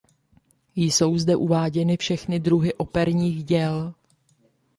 Jsou zde uváděny všechny druhy operních děl.